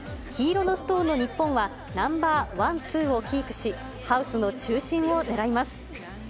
黄色のストーンの日本は、ナンバー１、２をキープし、ハウスの中心を狙います。